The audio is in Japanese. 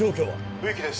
冬木です